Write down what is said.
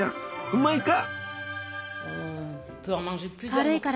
うまいか？